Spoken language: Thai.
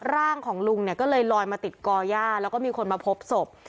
ร่างของลุงเนี่ยก็เลยลอยมาติดก่อย่าแล้วก็มีคนมาพบศพ